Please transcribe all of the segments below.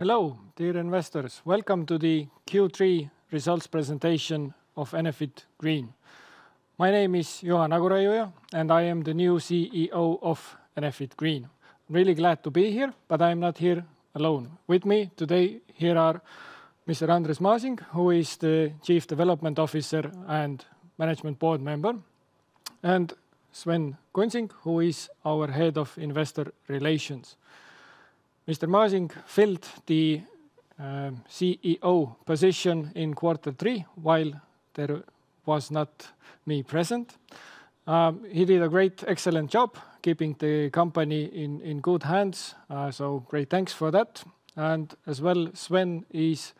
Hello, dear investors. Welcome to the Q3 results presentation of Enefit Green. My name is Juhan Aguraiuja, and I am the new CEO of Enefit Green. I'm really glad to be here, but I'm not here alone. With me today here are Mr. Andres Maasing, who is the Chief Development Officer and Management Board member, and Sven Kunsing, who is our Head of Investor Relations. Mr. Maasing filled the CEO position in Q3 while there was not me present. He did a great, excellent job keeping the company in good hands, so great thanks for that. And as well, Sven is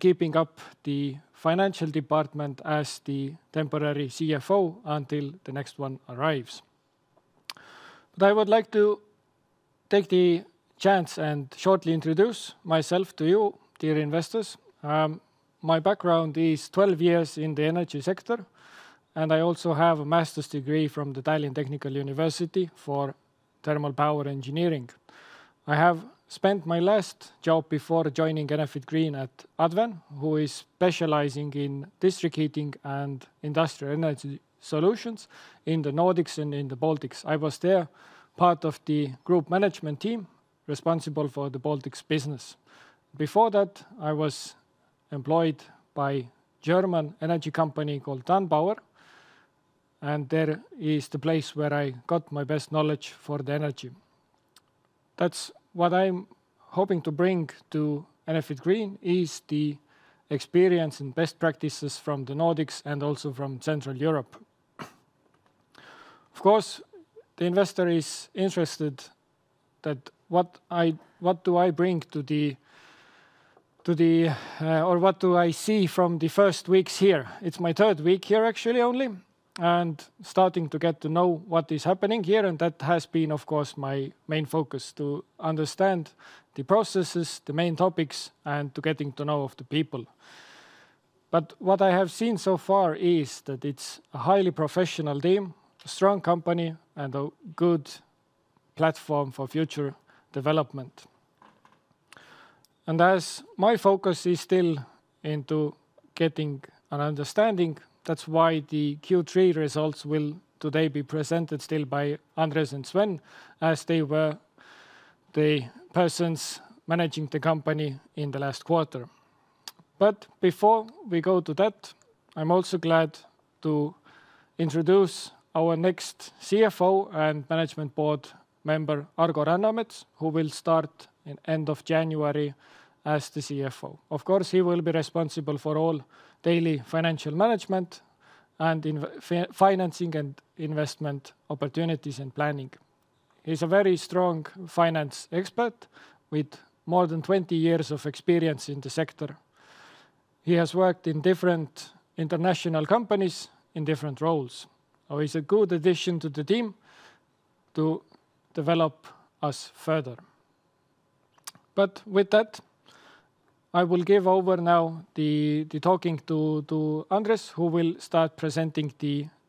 keeping up the financial department as the temporary CFO until the next one arrives. But I would like to take the chance and shortly introduce myself to you, dear investors. My background is 12 years in the energy sector, and I also have a master's degree from the Tallinn University of Technology for thermal power engineering. I have spent my last job before joining Enefit Green at Adven, who is specializing in district heating and industrial energy solutions in the Nordics and in the Baltics. I was there part of the group management team responsible for the Baltics business. Before that, I was employed by a German energy company called Danpower, and there is the place where I got my best knowledge for the energy. That's what I'm hoping to bring to Enefit Green, is the experience and best practices from the Nordics and also from Central Europe. Of course, the investor is interested in what do I bring to the, or what do I see from the first weeks here. It's my third week here actually only, and starting to get to know what is happening here, and that has been, of course, my main focus to understand the processes, the main topics, and to getting to know the people. What I have seen so far is that it's a highly professional team, a strong company, and a good platform for future development. As my focus is still into getting an understanding, that's why the Q3 results will today be presented still by Andres and Sven, as they were the persons managing the company in the last quarter. Before we go to that, I'm also glad to introduce our next CFO and Management Board member, Argo Rannamets, who will start at the end of January as the CFO. Of course, he will be responsible for all daily financial management and financing and investment opportunities and planning. He's a very strong finance expert with more than 20 years of experience in the sector. He has worked in different international companies in different roles, so he's a good addition to the team to develop us further. But with that, I will give over now the talking to Andres, who will start presenting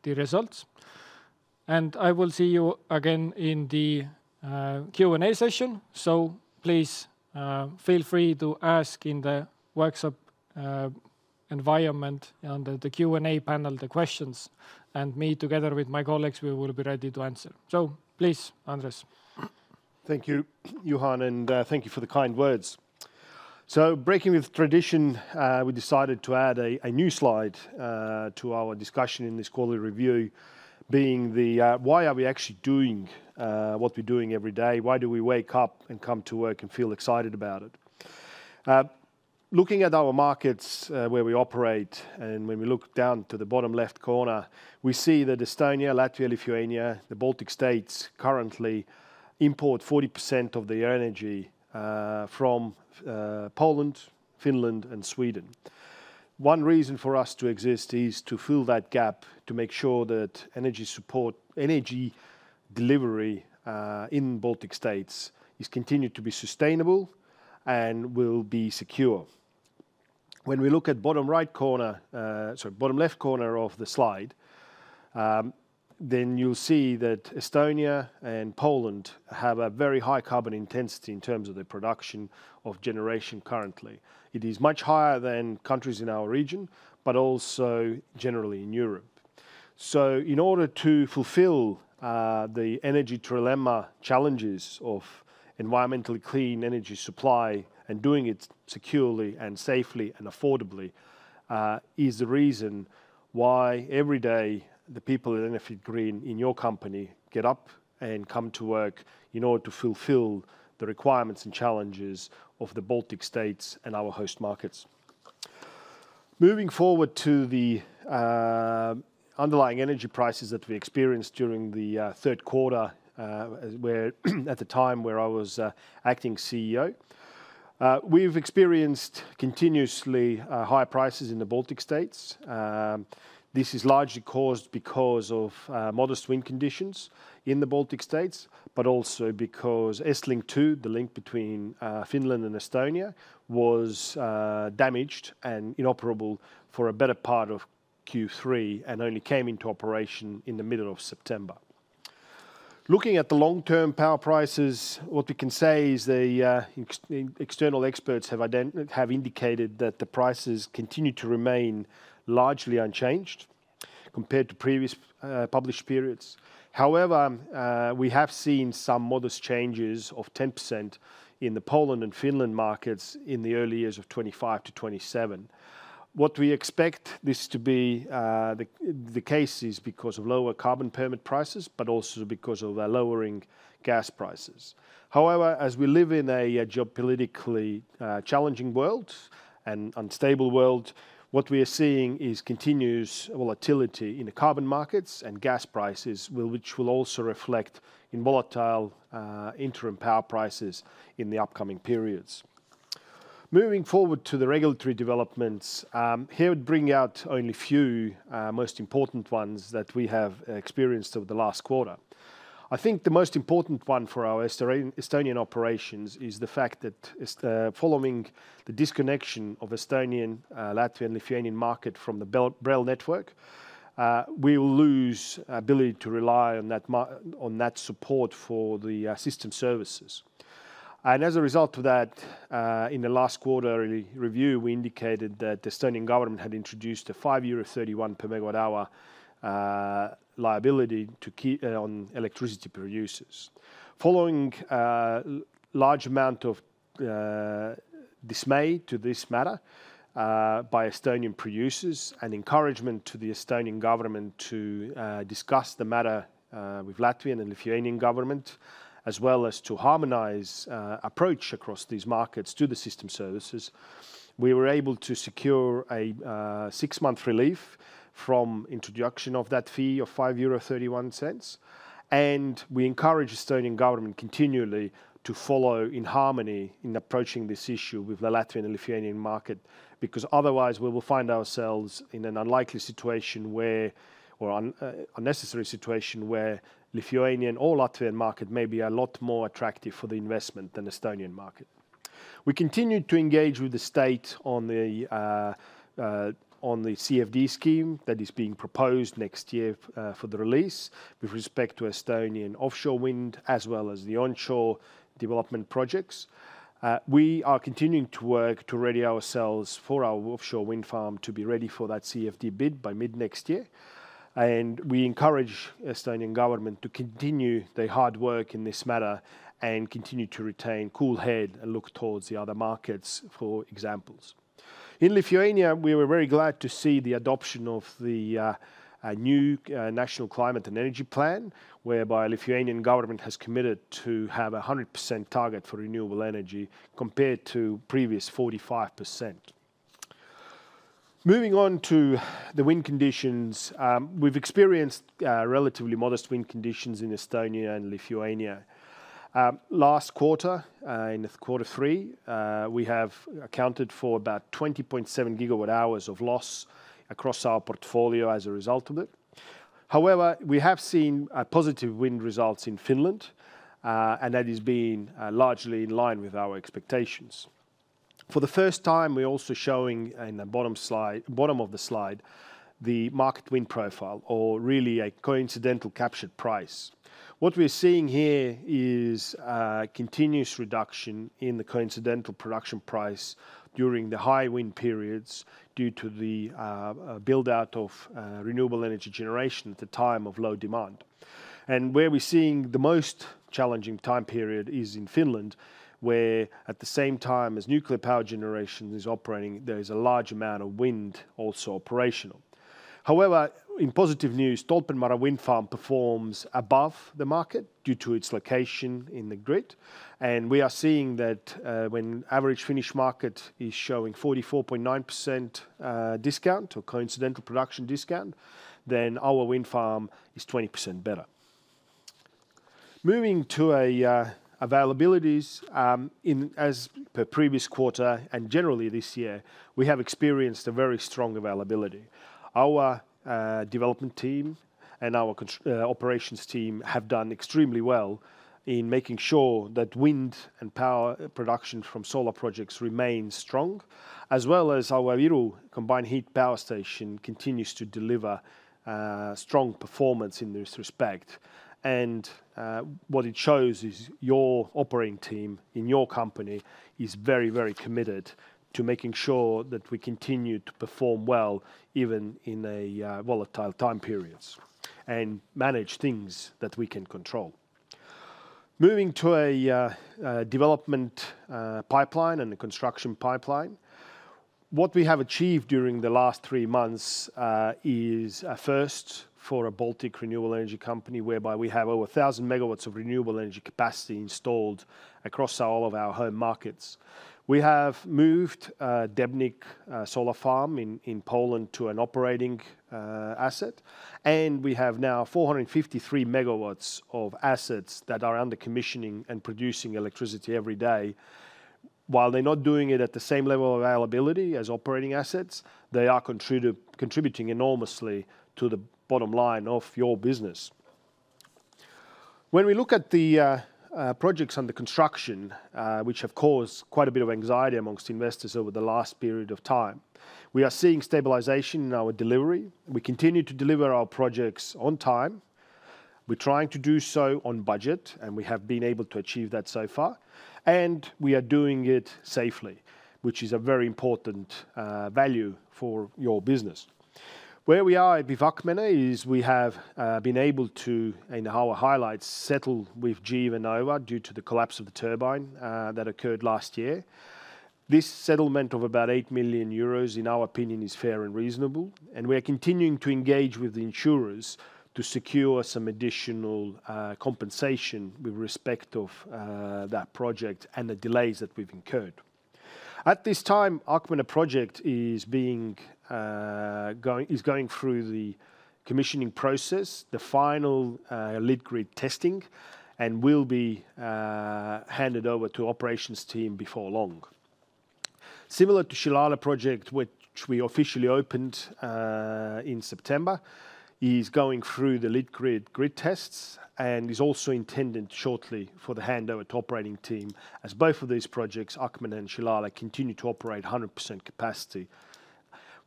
the results, and I will see you again in the Q&A session. So please feel free to ask in the workshop environment under the Q&A panel the questions, and me together with my colleagues, we will be ready to answer. So please, Andres. Thank you, Juhan, and thank you for the kind words. So breaking with tradition, we decided to add a new slide to our discussion in this quarterly review, being the, why are we actually doing what we're doing every day? Why do we wake up and come to work and feel excited about it? Looking at our markets where we operate, and when we look down to the bottom left corner, we see that Estonia, Latvia, Lithuania, the Baltic states currently import 40% of their energy from Poland, Finland, and Sweden. One reason for us to exist is to fill that gap, to make sure that energy support, energy delivery in Baltic states is continued to be sustainable and will be secure. When we look at bottom right corner, sorry, bottom left corner of the slide, then you'll see that Estonia and Poland have a very high carbon intensity in terms of their production of generation currently. It is much higher than countries in our region, but also generally in Europe. So in order to fulfill the energy trilemma challenges of environmentally clean energy supply and doing it securely and safely and affordably is the reason why every day the people at Enefit Green in your company get up and come to work in order to fulfill the requirements and challenges of the Baltic states and our host markets. Moving forward to the underlying energy prices that we experienced during the third quarter at the time where I was acting CEO, we've experienced continuously high prices in the Baltic states. This is largely caused because of modest wind conditions in the Baltic states, but also because EstLink 2, the link between Finland and Estonia, was damaged and inoperable for a better part of Q3 and only came into operation in the middle of September. Looking at the long-term power prices, what we can say is the external experts have indicated that the prices continue to remain largely unchanged compared to previous published periods. However, we have seen some modest changes of 10% in the Poland and Finland markets in the early years of 2025 - 2027. What we expect this to be the case is because of lower carbon permit prices, but also because of lowering gas prices. However, as we live in a geopolitically challenging world and unstable world, what we are seeing is continuous volatility in the carbon markets and gas prices, which will also reflect in volatile interim power prices in the upcoming periods. Moving forward to the regulatory developments, here I'd bring out only a few most important ones that we have experienced over the last quarter. I think the most important one for our Estonian operations is the fact that following the disconnection of the Estonian, Latvian, and Lithuanian market from the BRELL network, we will lose the ability to rely on that support for the system services, and as a result of that, in the last quarterly review, we indicated that the Estonian government had introduced a five years 31 MWh liability on electricity producers. Following a large amount of dismay to this matter by Estonian producers and encouragement to the Estonian government to discuss the matter with the Latvian and Lithuanian government, as well as to harmonize the approach across these markets to the system services, we were able to secure a six-month relief from the introduction of that fee of 5.31 euro, and we encourage the Estonian government continually to follow in harmony in approaching this issue with the Latvian and Lithuanian market, because otherwise we will find ourselves in an unlikely situation where or unnecessary situation where the Lithuanian or Latvian market may be a lot more attractive for the investment than the Estonian market. We continue to engage with the state on the CFD scheme that is being proposed next year for the release with respect to Estonian offshore wind as well as the onshore development projects. We are continuing to work to ready ourselves for our offshore wind farm to be ready for that CFD bid by mid-next year, and we encourage the Estonian government to continue their hard work in this matter and continue to retain a cool head and look towards the other markets for examples. In Lithuania, we were very glad to see the adoption of the new national climate and energy plan, whereby the Lithuanian government has committed to have a 100% target for renewable energy compared to the previous 45%. Moving on to the wind conditions, we've experienced relatively modest wind conditions in Estonia and Lithuania. Last quarter, in the quarter three, we have accounted for about 20.7 GWh of loss across our portfolio as a result of it. However, we have seen positive wind results in Finland, and that is being largely in line with our expectations. For the first time, we're also showing in the bottom of the slide the market wind profile, or really a coincidental captured price. What we're seeing here is a continuous reduction in the coincidental production price during the high wind periods due to the build-out of renewable energy generation at a time of low demand, and where we're seeing the most challenging time period is in Finland, where at the same time as nuclear power generation is operating, there is a large amount of wind also operational. However, in positive news, Tolpanvaara Wind Farm performs above the market due to its location in the grid, and we are seeing that when the average Finnish market is showing a 44.9% discount or coincidental production discount, then our wind farm is 20% better. Moving to availabilities, as per the previous quarter and generally this year, we have experienced a very strong availability. Our development team and our operations team have done extremely well in making sure that wind and power production from solar projects remains strong, as well as our Iru combined heat and power station continues to deliver strong performance in this respect, and what it shows is your operating team in your company is very, very committed to making sure that we continue to perform well even in volatile time periods and manage things that we can control. Moving to a development pipeline and a construction pipeline, what we have achieved during the last three months is first for a Baltic renewable energy company, whereby we have over 1,000 megawatts of renewable energy capacity installed across all of our home markets. We have moved Dębnik Solar Farm in Poland to an operating asset, and we have now 453 megawatts of assets that are under commissioning and producing electricity every day. While they're not doing it at the same level of availability as operating assets, they are contributing enormously to the bottom line of your business. When we look at the projects and the construction, which have caused quite a bit of anxiety amongst investors over the last period of time, we are seeing stabilization in our delivery. We continue to deliver our projects on time. We're trying to do so on budget, and we have been able to achieve that so far, and we are doing it safely, which is a very important value for your business. Where we are at Akmenė is we have been able to, in our highlights, settle with GE Vernova due to the collapse of the turbine that occurred last year. This settlement of about 8 million euros, in our opinion, is fair and reasonable, and we are continuing to engage with the insurers to secure some additional compensation with respect to that project and the delays that we've incurred. At this time, Argo Rannamets project is going through the commissioning process, the final Litgrid testing, and will be handed over to the operations team before long. Similar to the Šilalė project, which we officially opened in September, is going through the Litgrid tests and is also intended shortly for the handover to the operating team, as both of these projects, Argo Rannamets and Šilalė, continue to operate at 100% capacity.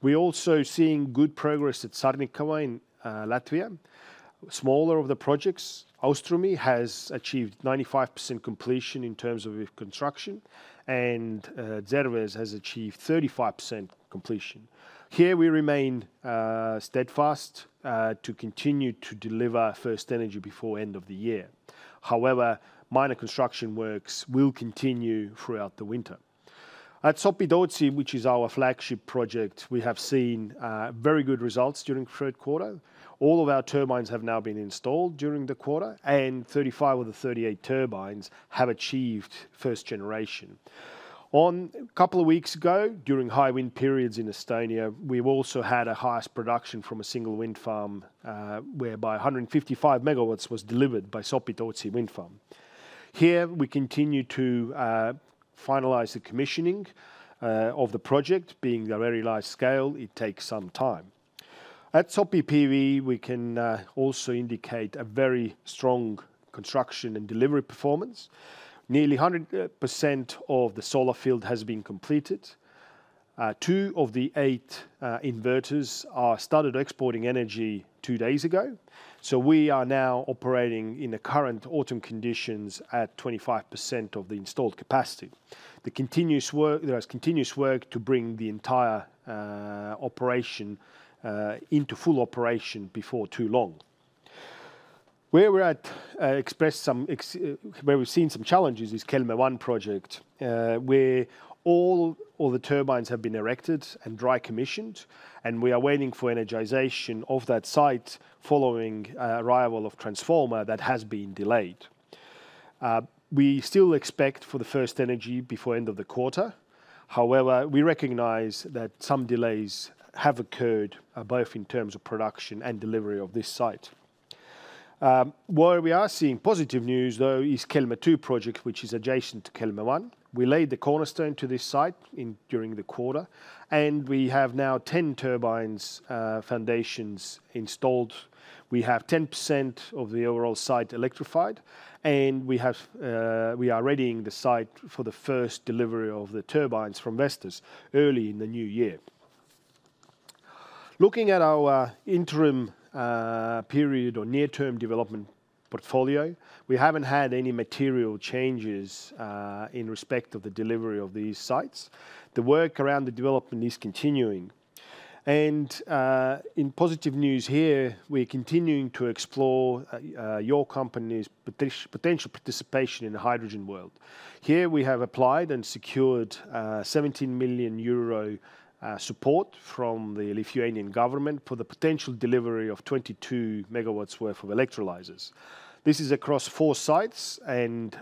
We are also seeing good progress at Carnikava in Latvia. Smaller of the projects, Ostrumi, has achieved 95% completion in terms of construction, and Dzērves has achieved 35% completion. Here we remain steadfast to continue to deliver first energy before the end of the year. However, minor construction works will continue throughout the winter. At Sopi-Tootsi, which is our flagship project, we have seen very good results during the third quarter. All of our turbines have now been installed during the quarter, and 35 of the 38 turbines have achieved first generation. A couple of weeks ago, during high wind periods in Estonia, we also had a highest production from a single wind farm, whereby 155 MW was delivered by Sopi-Tootsi wind farm. Here we continue to finalize the commissioning of the project. Being very large scale, it takes some time. At Sopi PV, we can also indicate a very strong construction and delivery performance. Nearly 100% of the solar field has been completed. Two of the eight inverters are started exporting energy two days ago, so we are now operating in the current autumn conditions at 25% of the installed capacity. There is continuous work to bring the entire operation into full operation before too long. Where we've seen some challenges is Kelmė I project, where all the turbines have been erected and dry commissioned, and we are waiting for energization of that site following arrival of the transformer that has been delayed. We still expect for the first energy before the end of the quarter. However, we recognize that some delays have occurred both in terms of production and delivery of this site. Where we are seeing positive news, though, is Kelmė II project, which is adjacent to Kelmė I. We laid the cornerstone to this site during the quarter, and we have now 10 turbine foundations installed. We have 10% of the overall site electrified, and we are readying the site for the first delivery of the turbines from Vestas early in the new year. Looking at our interim period or near-term development portfolio, we haven't had any material changes in respect of the delivery of these sites. The work around the development is continuing. And in positive news here, we're continuing to explore your company's potential participation in the hydrogen world. Here we have applied and secured 17 million euro support from the Lithuanian government for the potential delivery of 22 MW worth of electrolyzers. This is across four sites, and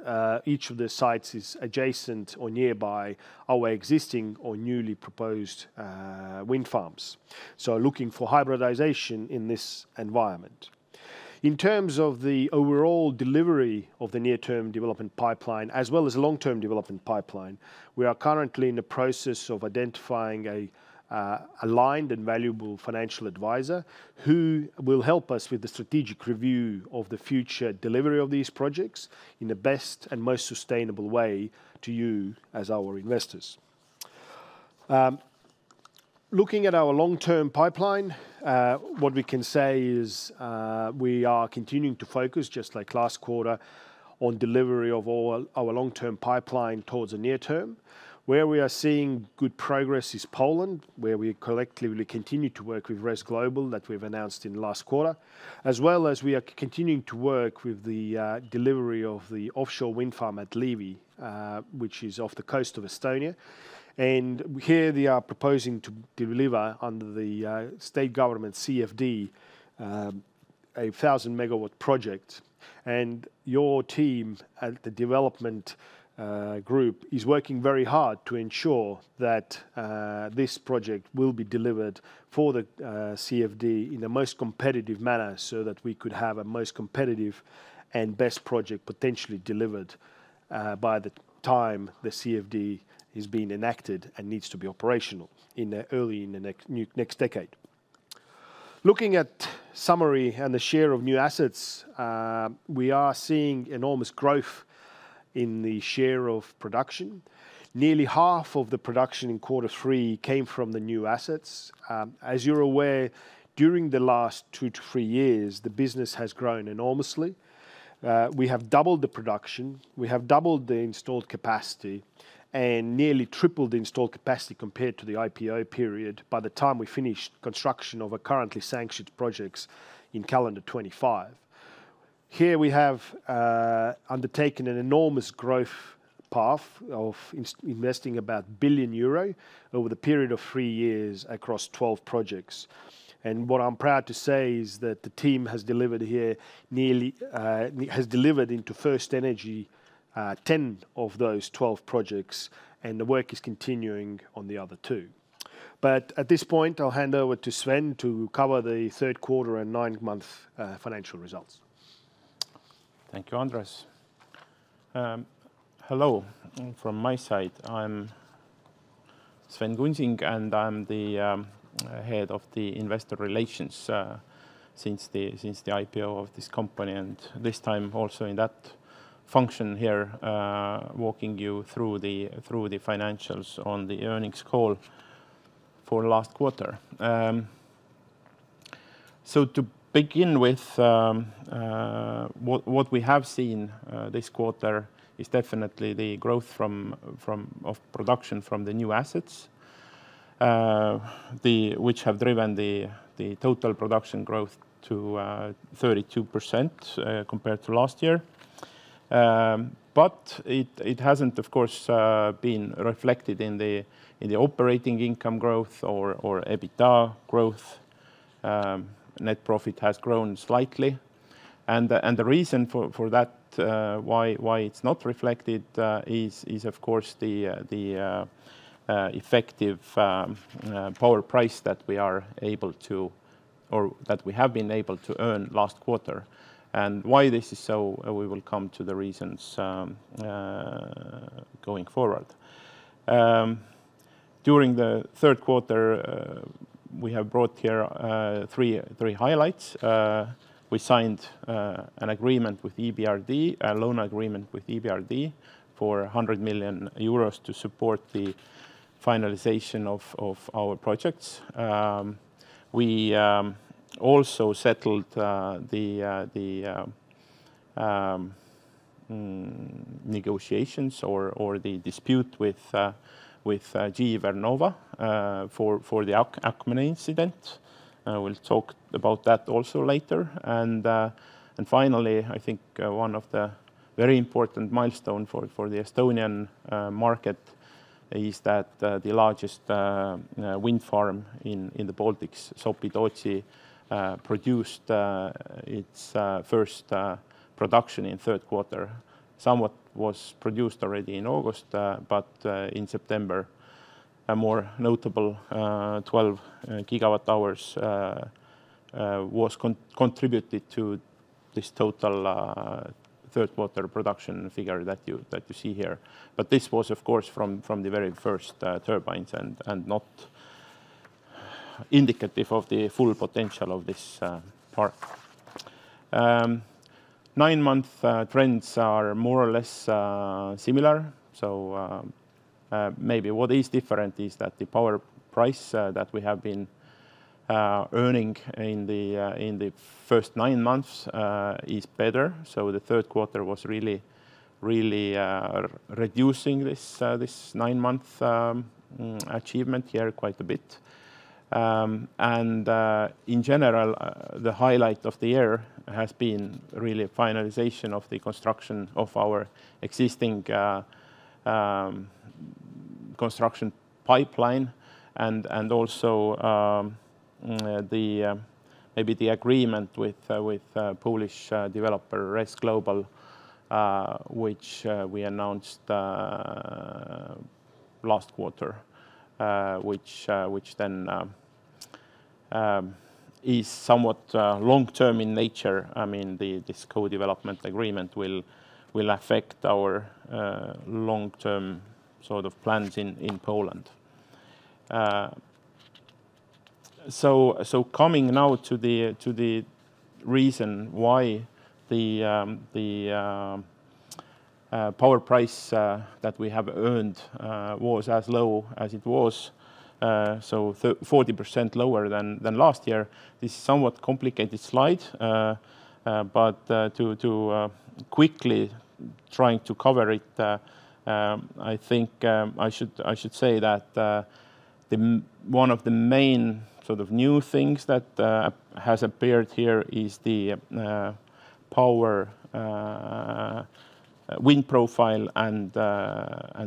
each of the sites is adjacent or nearby our existing or newly proposed wind farms, so looking for hybridization in this environment. In terms of the overall delivery of the near-term development pipeline, as well as the long-term development pipeline, we are currently in the process of identifying an aligned and valuable financial advisor who will help us with the strategic review of the future delivery of these projects in the best and most sustainable way to you as our investors. Looking at our long-term pipeline, what we can say is we are continuing to focus, just like last quarter, on delivery of our long-term pipeline towards the near term. Where we are seeing good progress is Poland, where we collectively continue to work with RES Global that we've announced in the last quarter, as well as we are continuing to work with the delivery of the offshore wind farm at Liivi, which is off the coast of Estonia. Here they are proposing to deliver under the state government CFD a 1,000 MW project. Your team at the development group is working very hard to ensure that this project will be delivered for the CFD in the most competitive manner so that we could have the most competitive and best project potentially delivered by the time the CFD is being enacted and needs to be operational early in the next decade. Looking at summary and the share of new assets, we are seeing enormous growth in the share of production. Nearly half of the production in quarter three came from the new assets. As you're aware, during the last two to three years, the business has grown enormously. We have doubled the production. We have doubled the installed capacity and nearly tripled the installed capacity compared to the IPO period by the time we finished construction of our currently sanctioned projects in calendar 2025. Here we have undertaken an enormous growth path of investing about 1 billion euro over the period of three years across 12 projects. And what I'm proud to say is that the team has delivered here nearly into first energy 10 of those 12 projects, and the work is continuing on the other two. But at this point, I'll hand over to Sven to cover the third quarter and nine-month financial results. Thank you, Andres. Hello from my side. I'm Sven Kunsing, and I'm the Head of Investor Relations since the IPO of this company, and this time also in that function here, walking you through the financials on the earnings call for the last quarter. To begin with, what we have seen this quarter is definitely the growth of production from the new assets, which have driven the total production growth to 32% compared to last year. But it hasn't, of course, been reflected in the operating income growth or EBITDA growth. Net profit has grown slightly. The reason for that, why it's not reflected, is, of course, the effective power price that we are able to or that we have been able to earn last quarter. Why this is so, we will come to the reasons going forward. During the third quarter, we have brought here three highlights. We signed an agreement with EBRD, a loan agreement with EBRD for 100 million euros to support the finalization of our projects. We also settled the negotiations or the dispute with GE Vernova for the Argo Rannamets incident. We'll talk about that also later. And finally, I think one of the very important milestones for the Estonian market is that the largest wind farm in the Baltics, Sopi-Tootsi, produced its first production in third quarter. Some of it was produced already in August, but in September, a more notable 12 GWh was contributed to this total third quarter production figure that you see here. But this was, of course, from the very first turbines and not indicative of the full potential of this park. Nine month trends are more or less similar. So maybe what is different is that the power price that we have been earning in the first nine months is better. So the third quarter was really reducing this nine-month achievement here quite a bit. In general, the highlight of the year has been really finalization of the construction of our existing construction pipeline and also maybe the agreement with Polish developer RES Global, which we announced last quarter, which then is somewhat long-term in nature. I mean, this co-development agreement will affect our long-term sort of plans in Poland. Coming now to the reason why the power price that we have earned was as low as it was, so 40% lower than last year. This is a somewhat complicated slide, but to quickly try to cover it, I think I should say that one of the main sort of new things that has appeared here is the power wind profile and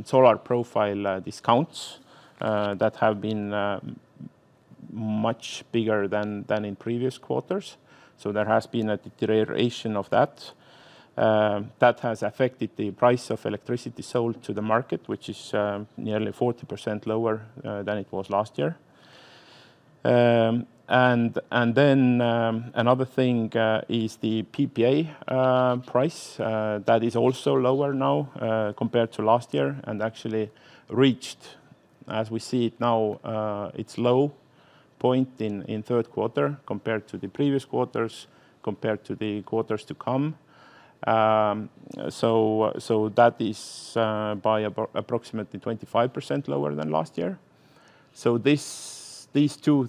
solar profile discounts that have been much bigger than in previous quarters. So there has been a deterioration of that. That has affected the price of electricity sold to the market, which is nearly 40% lower than it was last year. And then another thing is the PPA price that is also lower now compared to last year and actually reached, as we see it now, its low point in third quarter compared to the previous quarters, compared to the quarters to come. So that is by approximately 25% lower than last year. So these two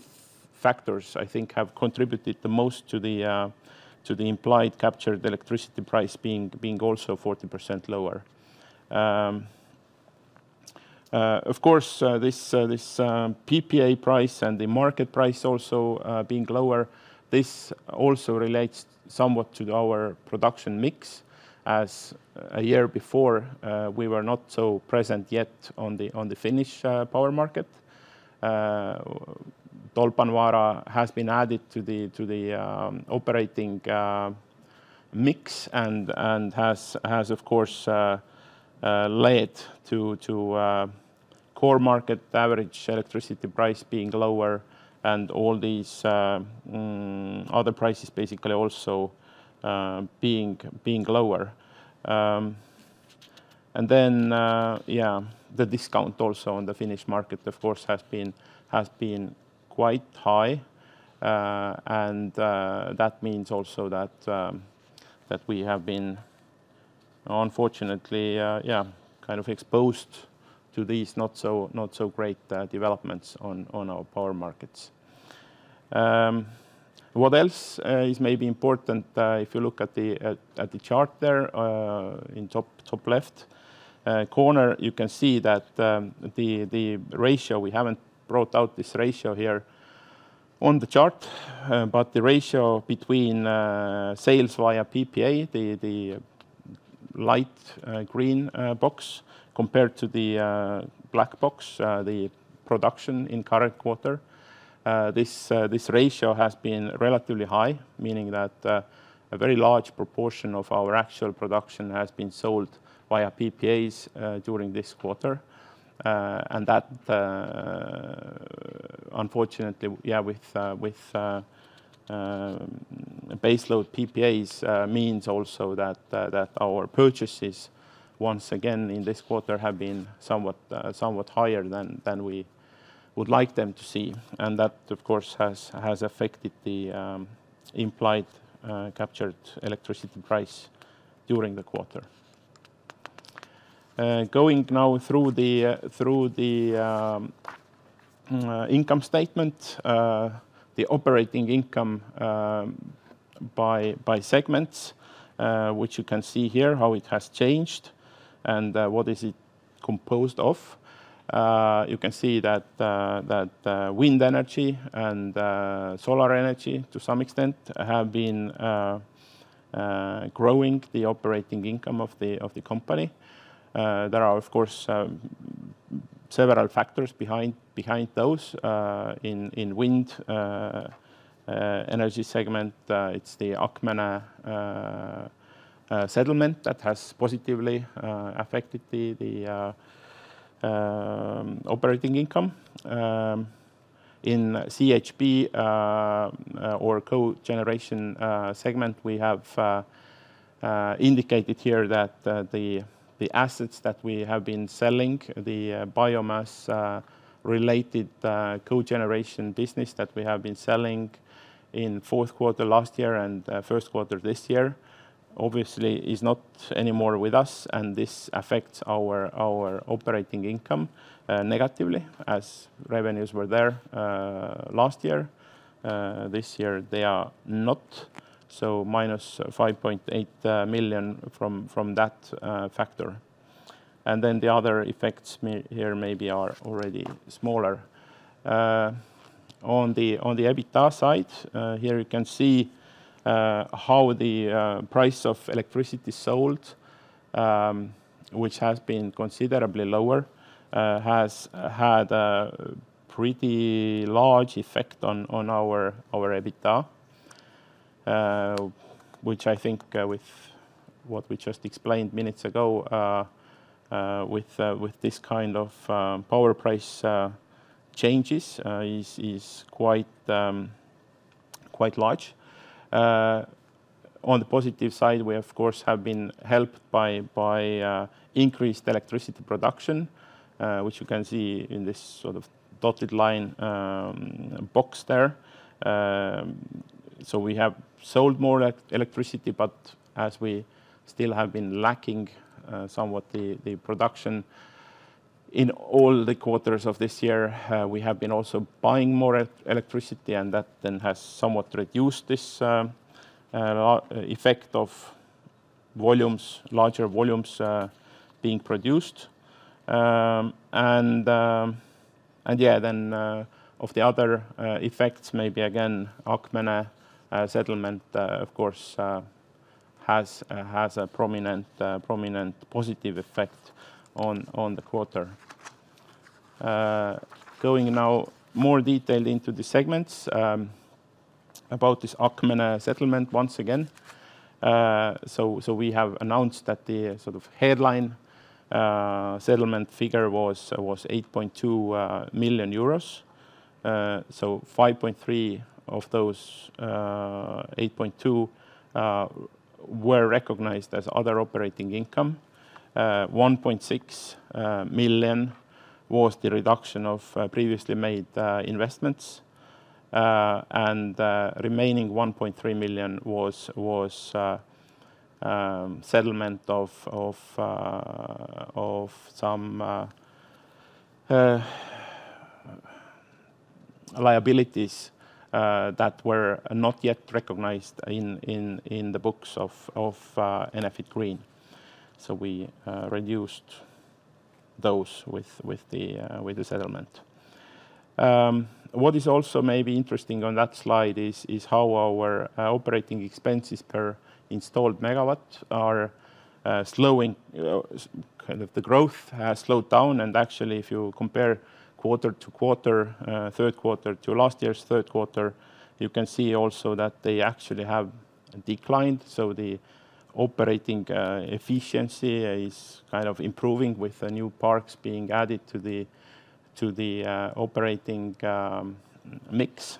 factors, I think, have contributed the most to the implied captured electricity price being also 40% lower. Of course, this PPA price and the market price also being lower, this also relates somewhat to our production mix, as a year before we were not so present yet on the Finnish power market. Tolpanvaara has been added to the operating mix and has, of course, led to core market average electricity price being lower and all these other prices basically also being lower. And then, yeah, the discount also on the Finnish market, of course, has been quite high. And that means also that we have been, unfortunately, yeah, kind of exposed to these not so great developments on our power markets. What else is maybe important? If you look at the chart there in top left corner, you can see that the ratio we haven't brought out this ratio here on the chart, but the ratio between sales via PPA, the light green box, compared to the black box, the production in current quarter, this ratio has been relatively high, meaning that a very large proportion of our actual production has been sold via PPAs during this quarter. That, unfortunately, yeah, with baseload PPAs means also that our purchases, once again, in this quarter have been somewhat higher than we would like them to see. And that, of course, has affected the implied captured electricity price during the quarter. Going now through the income statement, the operating income by segments, which you can see here, how it has changed and what is it composed of. You can see that wind energy and solar energy, to some extent, have been growing the operating income of the company. There are, of course, several factors behind those. In wind energy segment, it's the Akmenė settlement that has positively affected the operating income. In CHP or co-generation segment, we have indicated here that the assets that we have been selling, the biomass-related co-generation business that we have been selling in fourth quarter last year and first quarter this year, obviously is not anymore with us, and this affects our operating income negatively, as revenues were there last year. This year they are not, so minus 5.8 million from that factor. And then the other effects here maybe are already smaller. On the EBITDA side, here you can see how the price of electricity sold, which has been considerably lower, has had a pretty large effect on our EBITDA, which I think, with what we just explained minutes ago, with this kind of power price changes, is quite large. On the positive side, we, of course, have been helped by increased electricity production, which you can see in this sort of dotted line box there. So we have sold more electricity, but as we still have been lacking somewhat the production in all the quarters of this year, we have been also buying more electricity, and that then has somewhat reduced this effect of larger volumes being produced. And yeah, then of the other effects, maybe again, Akmenė settlement, of course, has a prominent positive effect on the quarter. Going now more detailed into the segments about this Akmenė settlement, once again, so we have announced that the sort of headline settlement figure was 8.2 million euros. So 5.3 of those 8.2 were recognized as other operating income. 1.6 million was the reduction of previously made investments. And remaining 1.3 million was settlement of some liabilities that were not yet recognized in the books of Enefit Green. So we reduced those with the settlement. What is also maybe interesting on that slide is how our operating expenses per installed megawatt are slowing. Kind of the growth has slowed down. And actually, if you compare quarter to quarter, third quarter to last year's third quarter, you can see also that they actually have declined. So the operating efficiency is kind of improving with the new parks being added to the operating mix.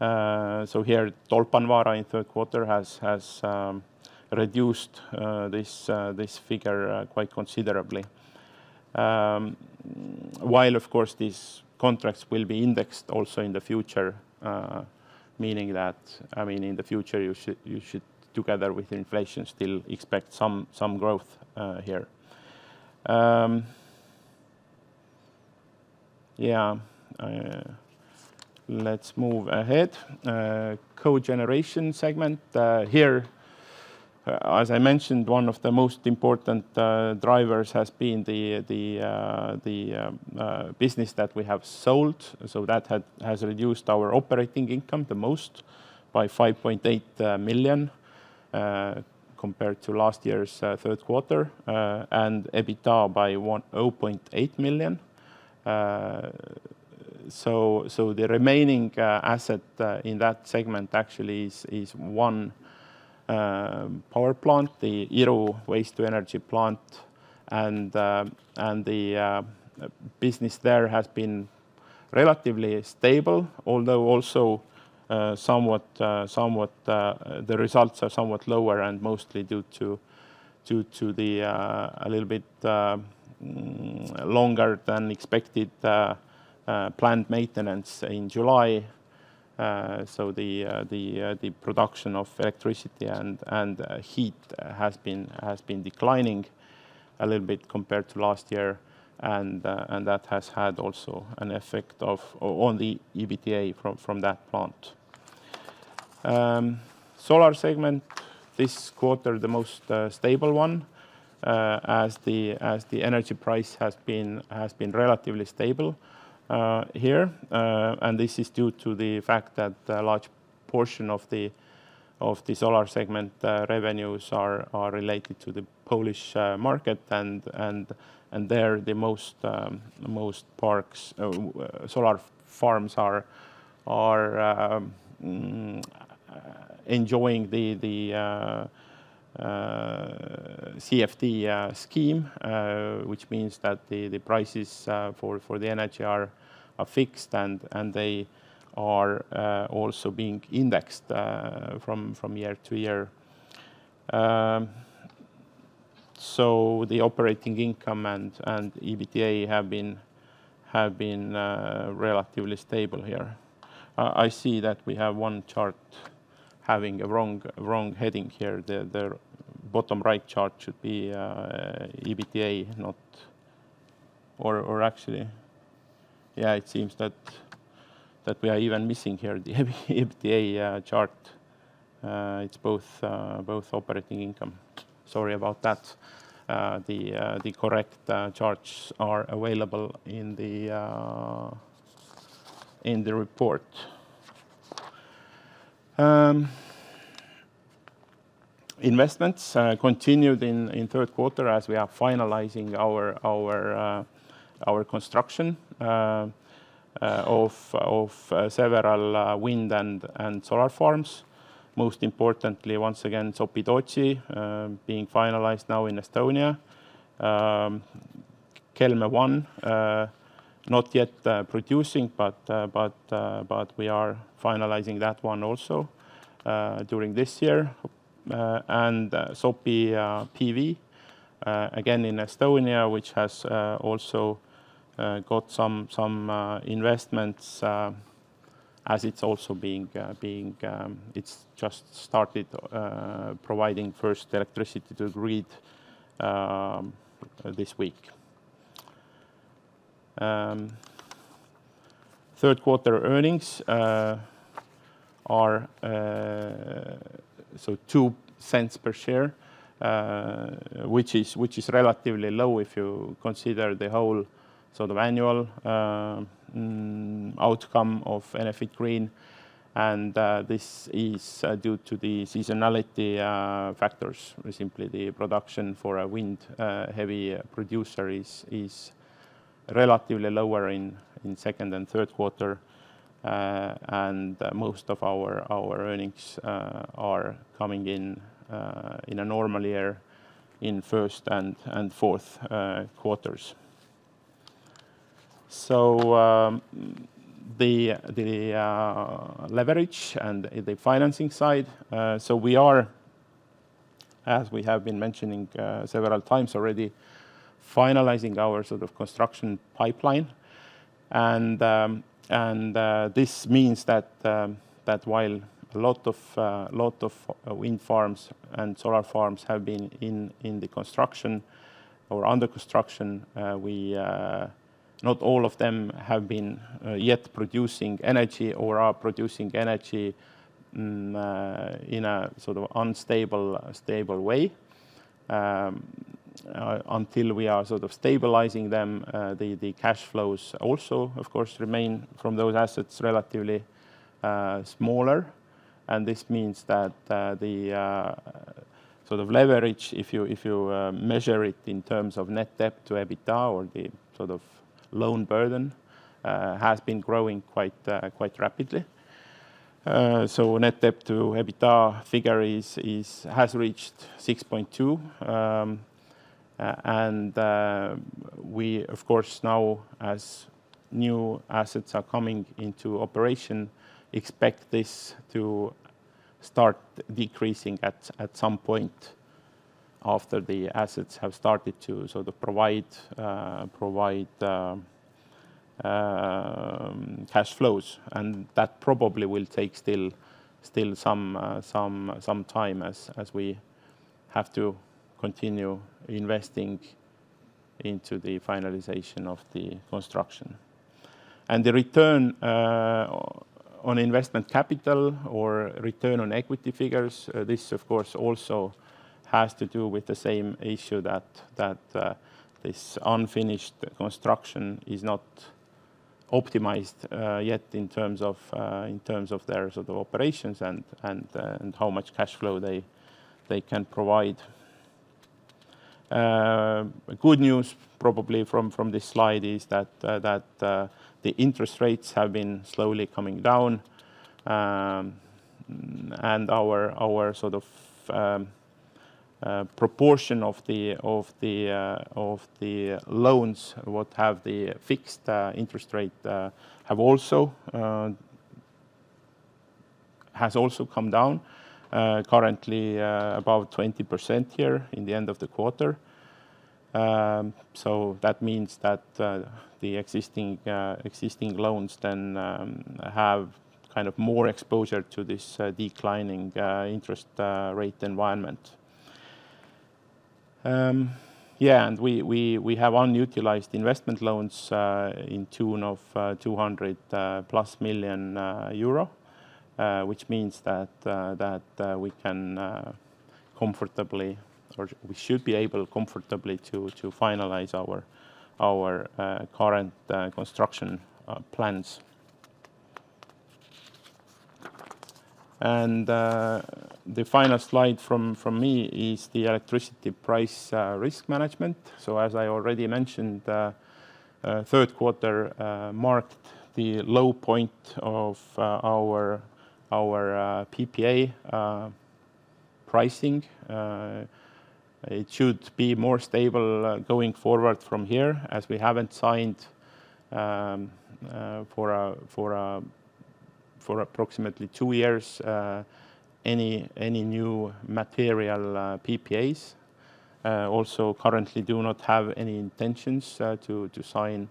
So here, Tolpanvaara in third quarter has reduced this figure quite considerably. While, of course, these contracts will be indexed also in the future, meaning that, I mean, in the future, you should, together with inflation, still expect some growth here. Yeah, let's move ahead. Cogeneration segment. Here, as I mentioned, one of the most important drivers has been the business that we have sold. So that has reduced our operating income the most by 5.8 million compared to last year's third quarter and EBITDA by 0.8 million. So the remaining asset in that segment actually is one power plant, the Iru waste-to-energy plant. And the business there has been relatively stable, although also somewhat the results are somewhat lower and mostly due to a little bit longer than expected plant maintenance in July. So the production of electricity and heat has been declining a little bit compared to last year. And that has had also an effect on the EBITDA from that plant. Solar segment, this quarter, the most stable one, as the energy price has been relatively stable here. This is due to the fact that a large portion of the solar segment revenues are related to the Polish market. There, the most parks, solar farms are enjoying the CFD scheme, which means that the prices for the energy are fixed and they are also being indexed from year to year. The operating income and EBITDA have been relatively stable here. I see that we have one chart having a wrong heading here. The bottom right chart should be EBITDA, not or actually, yeah, it seems that we are even missing here the EBITDA chart. It's both operating income. Sorry about that. The correct charts are available in the report. Investments continued in third quarter as we are finalizing our construction of several wind and solar farms. Most importantly, once again, Sopi-Tootsi being finalized now in Estonia. Kelme I, not yet producing, but we are finalizing that one also during this year. And Sopi PV, again in Estonia, which has also got some investments as it's also just started providing first electricity to grid this week. Third quarter earnings are so 0.02 per share, which is relatively low if you consider the whole sort of annual outcome of Enefit Green. And this is due to the seasonality factors, simply the production for a wind-heavy producer is relatively lower in second and third quarter. And most of our earnings are coming in a normal year in first and fourth quarters. So the leverage and the financing side, so we are, as we have been mentioning several times already, finalizing our sort of construction pipeline. And this means that while a lot of wind farms and solar farms have been in the construction or under construction, not all of them have been yet producing energy or are producing energy in a sort of unstable way. Until we are sort of stabilizing them, the cash flows also, of course, remain from those assets relatively smaller. And this means that the sort of leverage, if you measure it in terms of net debt to EBITDA or the sort of loan burden, has been growing quite rapidly. So net debt to EBITDA figure has reached 6.2. And we, of course, now, as new assets are coming into operation, expect this to start decreasing at some point after the assets have started to sort of provide cash flows. And that probably will take still some time as we have to continue investing into the finalization of the construction. The return on investment capital or return on equity figures, this, of course, also has to do with the same issue that this unfinished construction is not optimized yet in terms of their sort of operations and how much cash flow they can provide. Good news probably from this slide is that the interest rates have been slowly coming down. Our sort of proportion of the loans that have the fixed interest rate has also come down currently about 20% here at the end of the quarter. That means that the existing loans then have kind of more exposure to this declining interest rate environment. Yeah, we have unutilized investment loans to the tune of +200 million euro, which means that we can comfortably, or we should be able comfortably to finalize our current construction plans. And the final slide from me is the electricity price risk management. So as I already mentioned, third quarter marked the low point of our PPA pricing. It should be more stable going forward from here as we haven't signed for approximately two years any new material PPAs. Also currently do not have any intentions to sign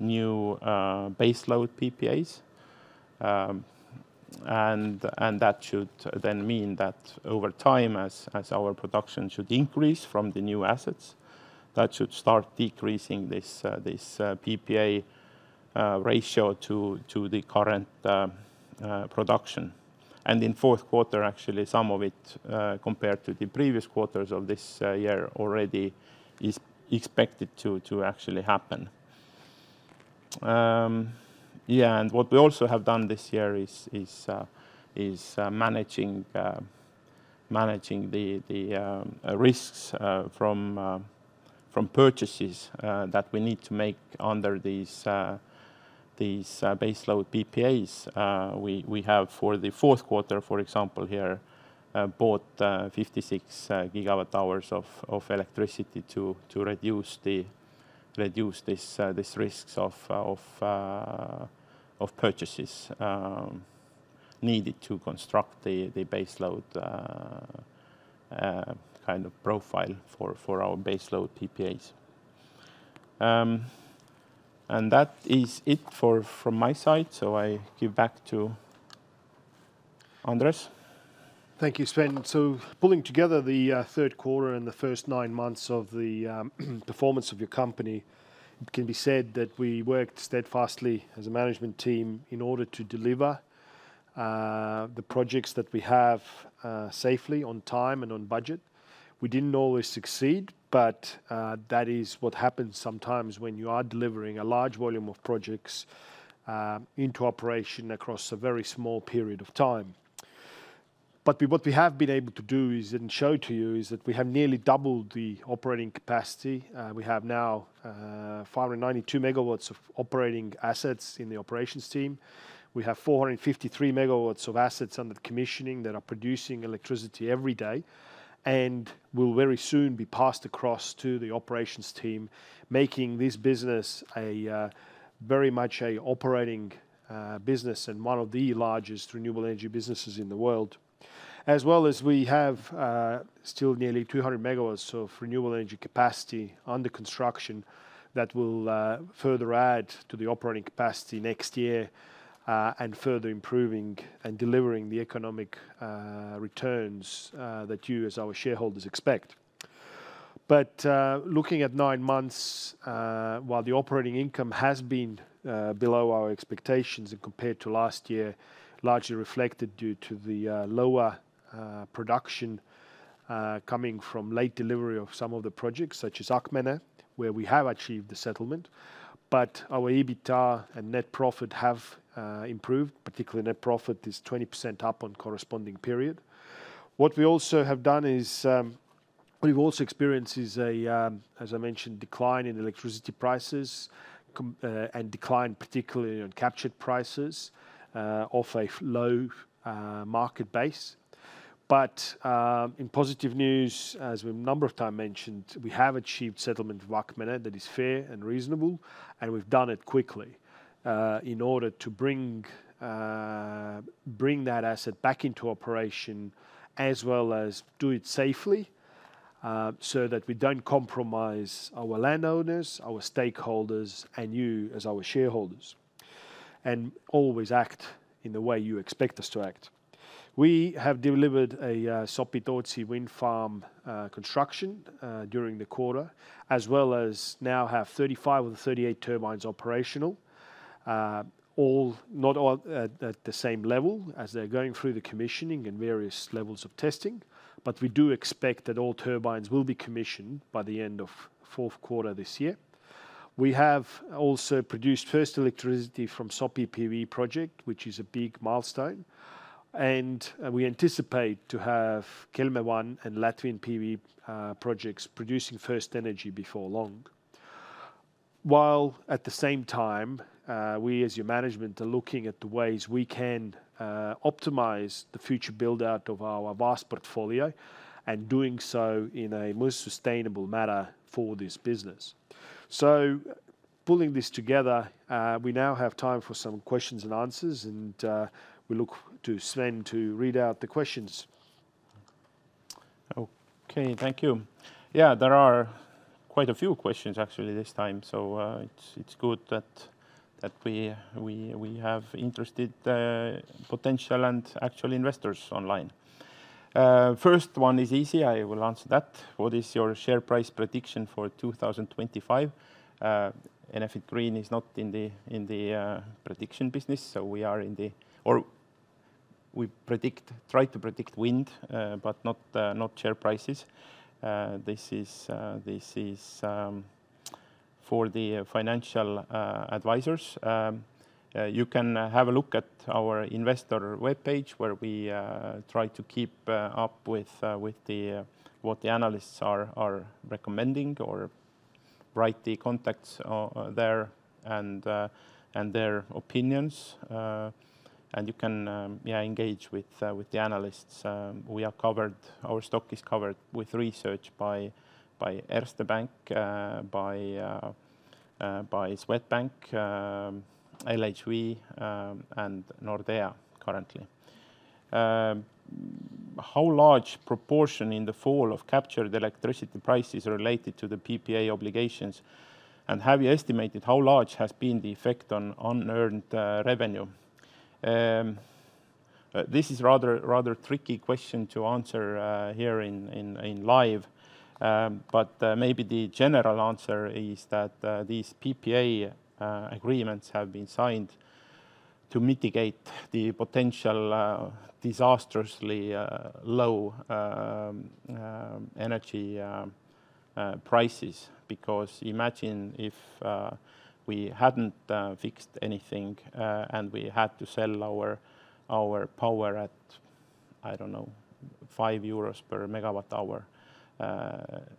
new baseload PPAs. And that should then mean that over time, as our production should increase from the new assets, that should start decreasing this PPA ratio to the current production. And in fourth quarter, actually, some of it compared to the previous quarters of this year already is expected to actually happen. Yeah, and what we also have done this year is managing the risks from purchases that we need to make under these baseload PPAs. We have, for the fourth quarter, for example, here bought 56 GWh of electricity to reduce these risks of purchases needed to construct the baseload kind of profile for our baseload PPAs. And that is it from my side. So I give back to Andres. Thank you, Sven. So pulling together the third quarter and the first nine months of the performance of your company, it can be said that we worked steadfastly as a management team in order to deliver the projects that we have safely on time and on budget. We didn't always succeed, but that is what happens sometimes when you are delivering a large volume of projects into operation across a very small period of time. But what we have been able to do and show to you is that we have nearly doubled the operating capacity. We have now 592 MW of operating assets in the operations team. We have 453 MW of assets under commissioning that are producing electricity every day and will very soon be passed across to the operations team, making this business very much an operating business and one of the largest renewable energy businesses in the world. As well as we have still nearly 200 MW of renewable energy capacity under construction that will further add to the operating capacity next year and further improving and delivering the economic returns that you, as our shareholders, expect, but looking at nine months, while the operating income has been below our expectations compared to last year, largely reflected due to the lower production coming from late delivery of some of the projects such as Akmenė, where we have achieved the settlement, but our EBITDA and net profit have improved. Particularly, net profit is 20% up on corresponding period. What we also have done is we've also experienced, as I mentioned, a decline in electricity prices and decline, particularly on captured prices of a low market base. But in positive news, as we've a number of times mentioned, we have achieved settlement of Akmenė that is fair and reasonable, and we've done it quickly in order to bring that asset back into operation as well as do it safely so that we don't compromise our landowners, our stakeholders, and you as our shareholders. And always act in the way you expect us to act. We have delivered a Šilalė wind farm construction during the quarter, as well as now have 35 of the 38 turbines operational, not at the same level as they're going through the commissioning and various levels of testing. But we do expect that all turbines will be commissioned by the end of fourth quarter this year. We have also produced first electricity from Sopi PV project, which is a big milestone. And we anticipate to have Kelmė I and Latvian PV projects producing first energy before long. While at the same time, we as your management are looking at the ways we can optimize the future buildout of our vast portfolio and doing so in a more sustainable manner for this business. So pulling this together, we now have time for some questions and answers, and we look to Sven to read out the questions. Okay, thank you. Yeah, there are quite a few questions actually this time. So it's good that we have interested potential and actual investors online. First one is easy. I will answer that. What is your share price prediction for 2025? Enefit Green is not in the prediction business, so we are in the or we try to predict wind, but not share prices. This is for the financial advisors. You can have a look at our investor webpage where we try to keep up with what the analysts are recommending or write the contacts there and their opinions. And you can engage with the analysts. We are covered; our stock is covered with research by Erste Bank, by Swedbank, LHV, and Nordea currently. How large proportion in the fall of captured electricity prices related to the PPA obligations? And have you estimated how large has been the effect on unearned revenue? This is a rather tricky question to answer here live, but maybe the general answer is that these PPA agreements have been signed to mitigate the potential disastrously low energy prices. Because imagine if we hadn't fixed anything and we had to sell our power at, I don't know, 5 euros MWh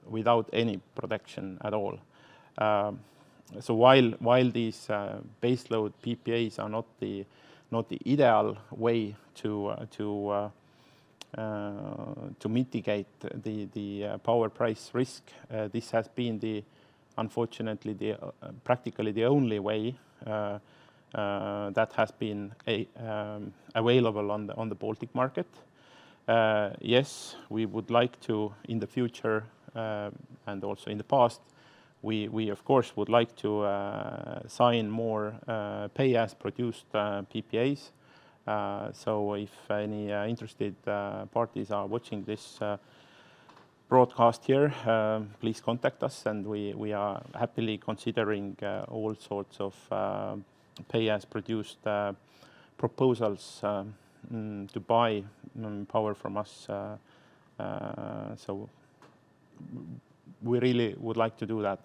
without any protection at all. So while these baseload PPAs are not the ideal way to mitigate the power price risk, this has been unfortunately practically the only way that has been available on the Baltic market. Yes, we would like to in the future and also in the past, we of course would like to sign more pay-as-produced PPAs. So if any interested parties are watching this broadcast here, please contact us and we are happily considering all sorts of pay-as-produced proposals to buy power from us. So we really would like to do that.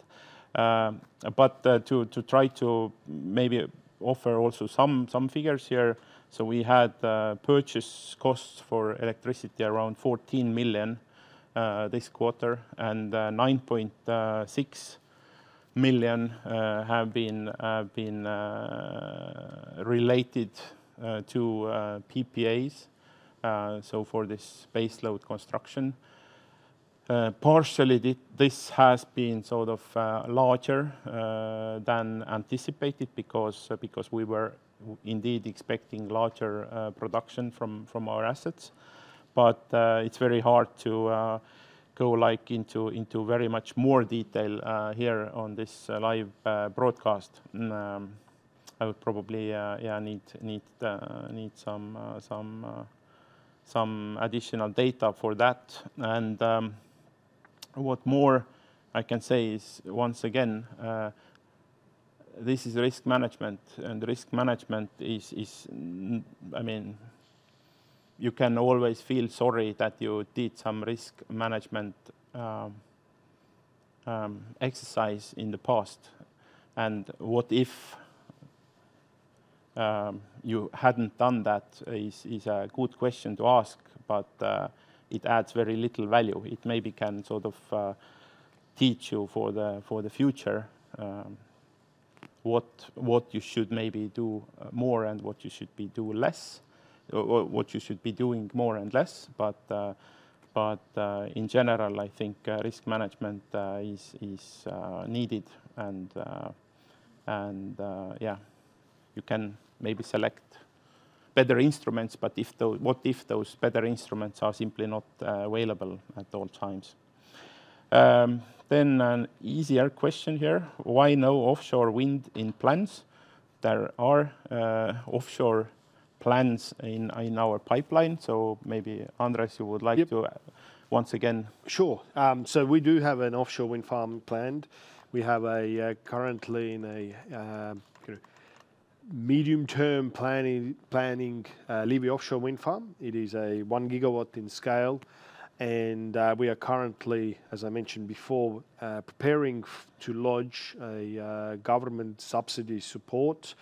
But to try to maybe offer also some figures here. So we had purchase costs for electricity around 14 million this quarter, and 9.6 million have been related to PPAs. So for this baseload construction, partially this has been sort of larger than anticipated because we were indeed expecting larger production from our assets. But it's very hard to go into very much more detail here on this live broadcast. I would probably need some additional data for that. And what more I can say is, once again, this is risk management. And risk management is, I mean, you can always feel sorry that you did some risk management exercise in the past. And what if you hadn't done that is a good question to ask, but it adds very little value. It maybe can sort of teach you for the future what you should maybe do more and what you should be doing less, what you should be doing more and less. But in general, I think risk management is needed. Yeah, you can maybe select better instruments, but what if those better instruments are simply not available at all times? Then an easier question here. Why no offshore wind in plans? There are offshore plans in our pipeline. Maybe Andres, you would like to once again. Sure. We do have an offshore wind farm planned. We have currently in a medium-term planning Liivi offshore wind farm. It is a one gigawatt in scale. We are currently, as I mentioned before, preparing to lodge a government subsidy support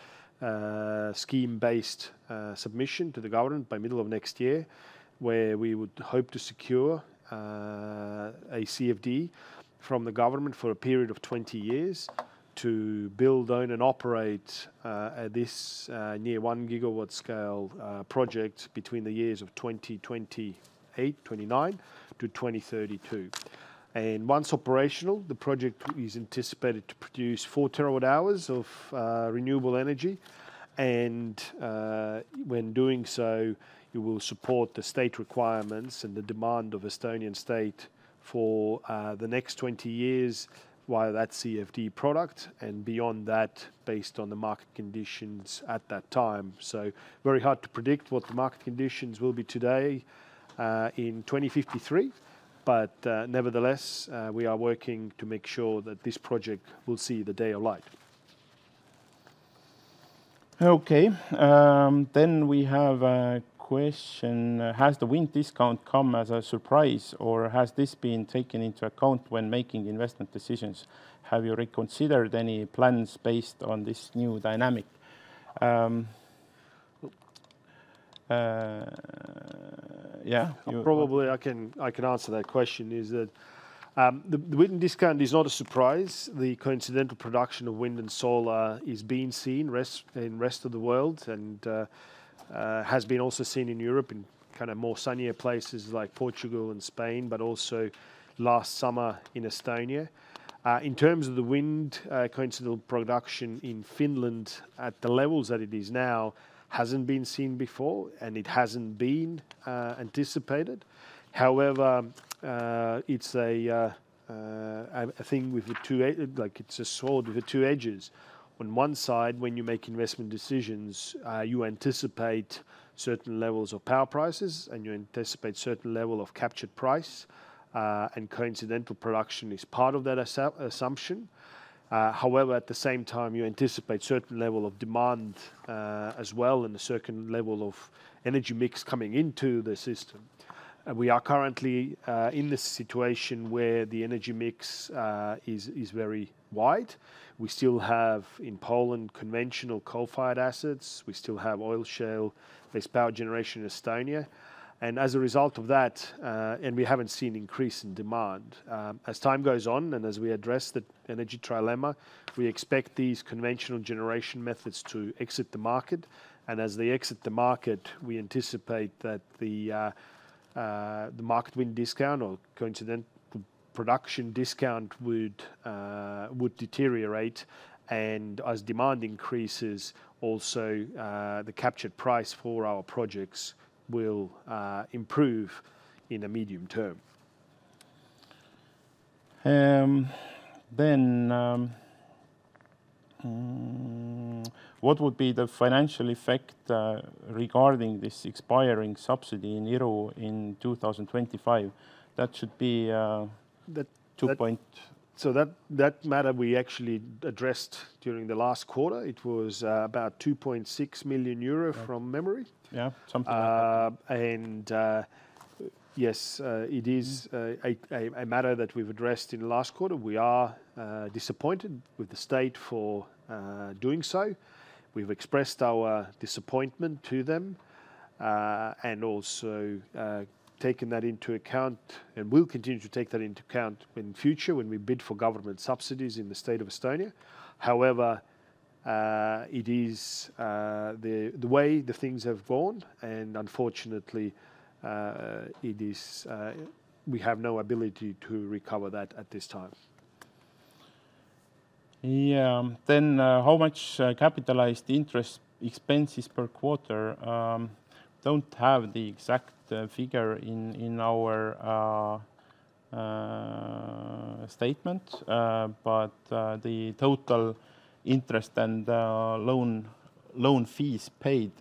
scheme-based submission to the government by middle of next year, where we would hope to secure a CFD from the government for a period of 20 years to build, own, and operate this near one gigawatt scale project between the years of 2028, 2029 to 2032. Once operational, the project is anticipated to produce four terawatt hours of renewable energy. When doing so, it will support the state requirements and the demand of the Estonian state for the next 20 years via that CFD product and beyond that based on the market conditions at that time. It is very hard to predict what the market conditions will be today in 2053. Nevertheless, we are working to make sure that this project will see the light of day. Okay.Then we have a question. Has the wind discount come as a surprise, or has this been taken into account when making investment decisions? Have you reconsidered any plans based on this new dynamic? Yeah. Probably I can answer that question is that the wind discount is not a surprise. The coincidental production of wind and solar is being seen in the rest of the world and has been also seen in Europe in kind of more sunnier places like Portugal and Spain, but also last summer in Estonia. In terms of the wind coincidental production in Finland at the levels that it is now, hasn't been seen before and it hasn't been anticipated. However, it's a thing with the two edges. It's a sword with the two edges. On one side, when you make investment decisions, you anticipate certain levels of power prices and you anticipate a certain level of captured price, and coincidental production is part of that assumption. However, at the same time, you anticipate a certain level of demand as well and a certain level of energy mix coming into the system. We are currently in this situation where the energy mix is very wide. We still have in Poland conventional coal-fired assets. We still have oil shale-based power generation in Estonia, and as a result of that, and we haven't seen an increase in demand. As time goes on and as we address the energy trilemma, we expect these conventional generation methods to exit the market, and as they exit the market, we anticipate that the market wind discount or coincidental production discount would deteriorate, and as demand increases, also the captured price for our projects will improve in the medium term. Then what would be the financial effect regarding this expiring subsidy in Europe in 2025? That should be 2 point, so that matter we actually addressed during the last quarter. It was about 2.6 million euro from memory. Yeah, something like that, and yes, it is a matter that we've addressed in the last quarter. We are disappointed with the state for doing so. We've expressed our disappointment to them and also taken that into account and will continue to take that into account in the future when we bid for government subsidies in the state of Estonia. However, it is the way the things have gone, and unfortunately, we have no ability to recover that at this time. Yeah, then how much capitalized interest expenses per quarter? Don't have the exact figure in our statement, but the total interest and loan fees paid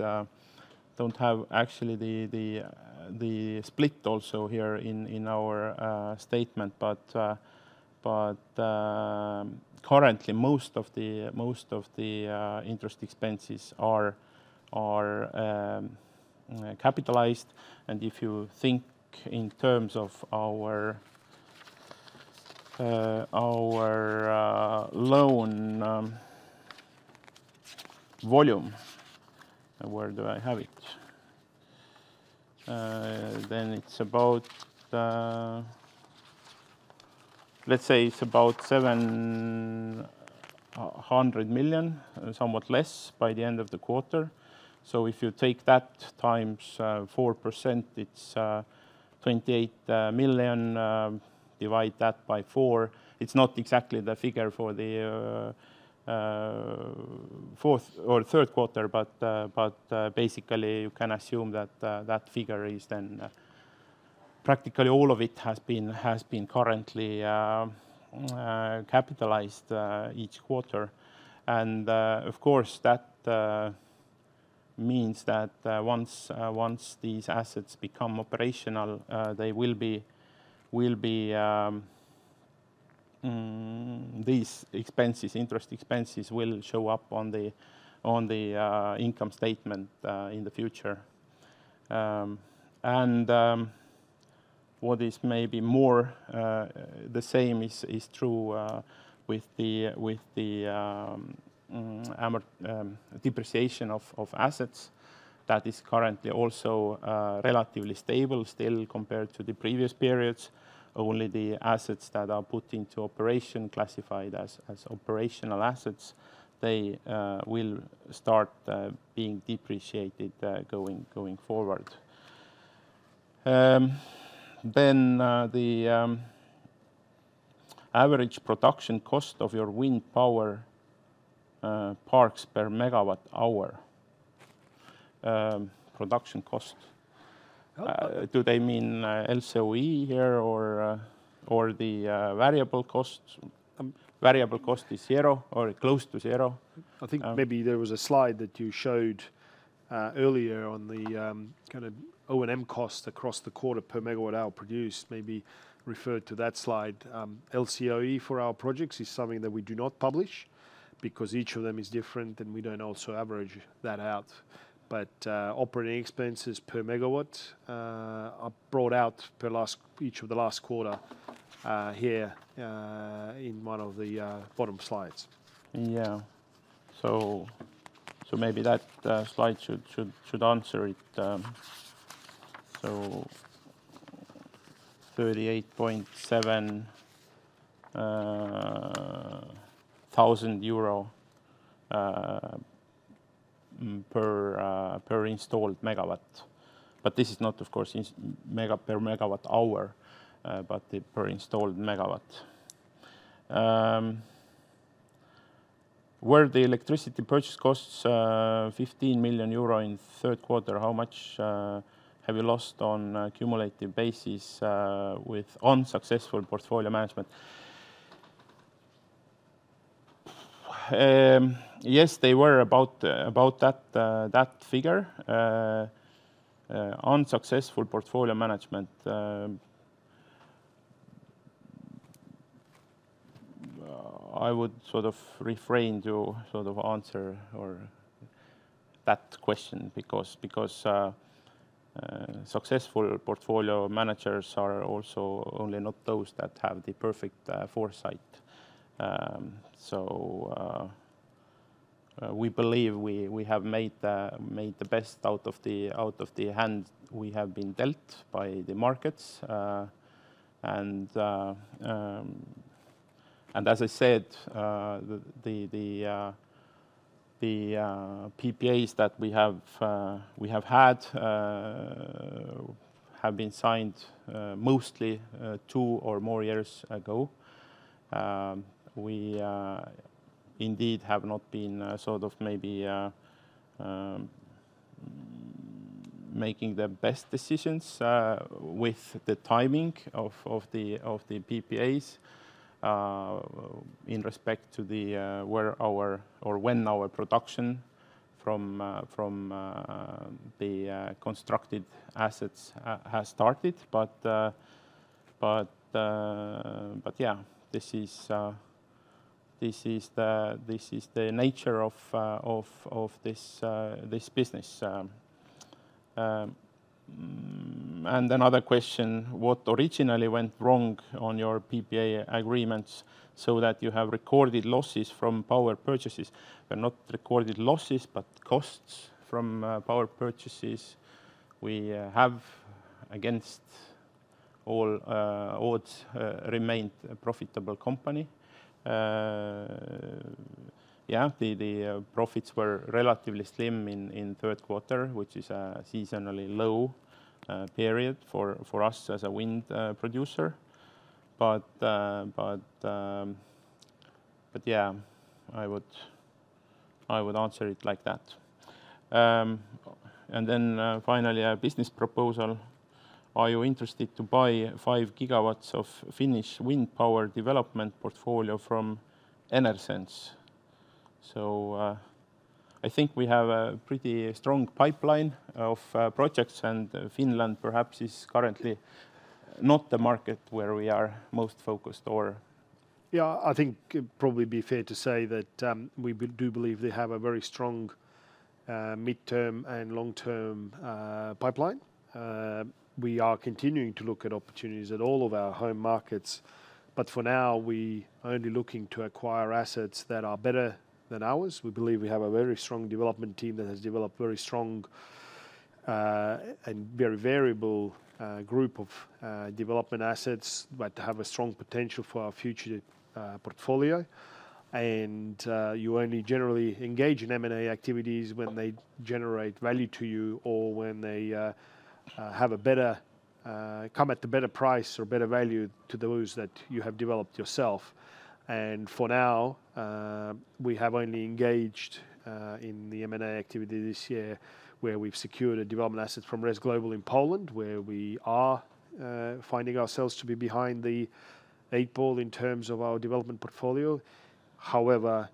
don't have actually the split also here in our statement. But currently, most of the interest expenses are capitalized, and if you think in terms of our loan volume, where do I have it, then it's about, let's say it's about 700 million, somewhat less by the end of the quarter. So if you take that times 4%, it's 28 million. Divide that by four. It's not exactly the figure for the fourth or third quarter, but basically you can assume that that figure is then practically all of it has been currently capitalized each quarter. And of course, that means that once these assets become operational, they will be these expenses, interest expenses will show up on the income statement in the future. And what is maybe more the same is true with the depreciation of assets that is currently also relatively stable still compared to the previous periods. Only the assets that are put into operation, classified as operational assets, they will start being depreciated going forward. Then the average production cost of your wind power parks per megawatt hour production cost. Do they mean LCOE here or the variable cost? Variable cost is zero or close to zero. I think maybe there was a slide that you showed earlier on the kind of O&M cost across the quarter per megawatt hour produced. Maybe refer to that slide. LCOE for our projects is something that we do not publish because each of them is different and we don't also average that out. Operating expenses per megawatt are brought out per each of the last quarter here in one of the bottom slides. Yeah. That slide should answer it. 38.7 thousand EUR per installed megawatt. But this is not, of course, per megawatt hour, but per installed megawatt. Were the electricity purchase costs 15 million euro in third quarter? How much have you lost on a cumulative basis with unsuccessful portfolio management? Yes, they were about that figure. Unsuccessful portfolio management. I would sort of refrain to sort of answer that question because successful portfolio managers are also only not those that have the perfect foresight, so we believe we have made the best out of the hand we have been dealt by the markets, and as I said, the PPAs that we have had have been signed mostly two or more years ago. We indeed have not been sort of maybe making the best decisions with the timing of the PPAs in respect to where our or when our production from the constructed assets has started, but yeah, this is the nature of this business. And another question, what originally went wrong on your PPA agreements so that you have recorded losses from power purchases? Not recorded losses, but costs from power purchases. We have, against all odds, remained a profitable company. Yeah, the profits were relatively slim in third quarter, which is a seasonally low period for us as a wind producer. But yeah, I would answer it like that. And then finally, a business proposal. Are you interested to buy five GW of Finnish wind power development portfolio from Enersense? So I think we have a pretty strong pipeline of projects and Finland perhaps is currently not the market where we are most focused or. Yeah, I think it would probably be fair to say that we do believe they have a very strong mid-term and long-term pipeline. We are continuing to look at opportunities at all of our home markets, but for now, we are only looking to acquire assets that are better than ours. We believe we have a very strong development team that has developed very strong and very variable group of development assets that have a strong potential for our future portfolio, and you only generally engage in M&A activities when they generate value to you or when they have a better come at the better price or better value to those that you have developed yourself, and for now, we have only engaged in the M&A activity this year where we've secured a development asset from RES Global in Poland, where we are finding ourselves to be behind the eight ball in terms of our development portfolio. However,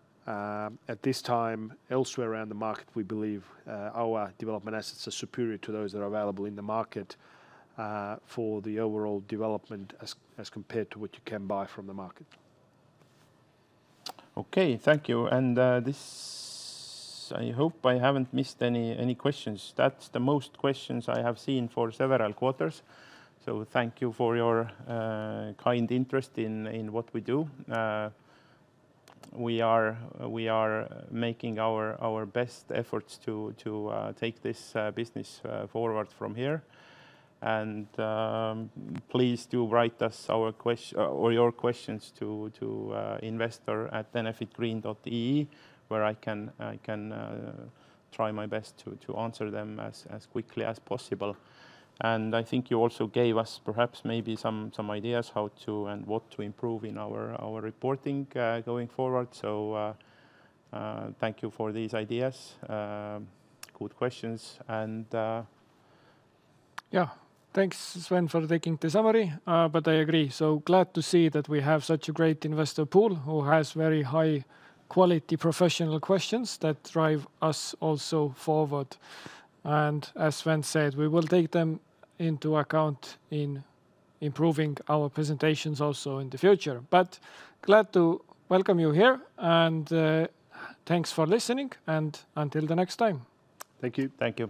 at this time, elsewhere around the market, we believe our development assets are superior to those that are available in the market for the overall development as compared to what you can buy from the market. Okay, thank you. This, I hope I haven't missed any questions. That's the most questions I have seen for several quarters. Thank you for your kind interest in what we do. We are making our best efforts to take this business forward from here. Please do write us your questions to investor@enefitgreen.ee, where I can try my best to answer them as quickly as possible. I think you also gave us perhaps maybe some ideas how to and what to improve in our reporting going forward. Thank you for these ideas. Good questions. Yeah, thanks, Sven, for taking the summary, but I agree. Glad to see that we have such a great investor pool who has very high quality professional questions that drive us also forward. As Sven said, we will take them into account in improving our presentations also in the future. Glad to welcome you here and thanks for listening and until the next time. Thank you. Thank you.